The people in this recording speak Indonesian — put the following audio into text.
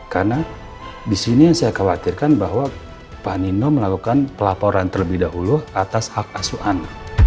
karena di sini yang saya khawatirkan bahwa pak nino melakukan pelaporan terlebih dahulu atas hak asuhan